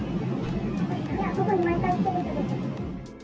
ここに毎回来てる人です。